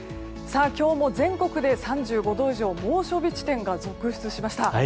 今日も全国で３５度以上の猛暑日地点が続出しました。